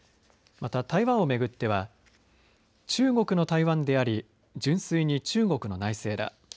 また、台湾を巡っては中国の台湾であり純粋に中国の内政だ。